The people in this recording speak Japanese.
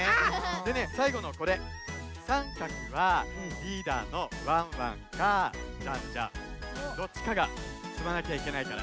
でねさいごのこれさんかくはリーダーのワンワンかジャンジャンどっちかがつまなきゃいけないからね。